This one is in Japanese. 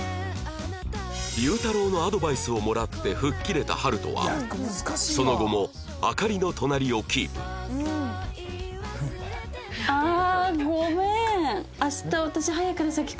祐太郎のアドバイスをもらって吹っ切れた晴翔はその後もアカリの隣をキープああ！